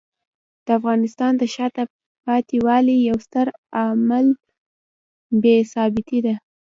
د افغانستان د شاته پاتې والي یو ستر عامل بې ثباتي دی.